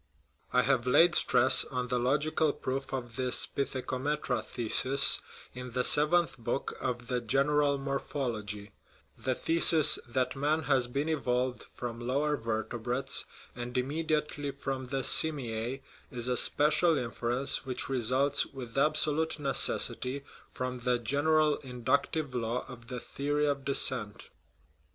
I have laid stress on the logical proof of this " pithecometra thesis " in the sev enth book of the General Morphology: "The thesis 8 4 THE HISTORY OF OUR SPECIES that man has been evolved from lower vertebrates, and immediately from the simiae, is a special inference which results with absolute necessity from the general inductive law of the theory of descent."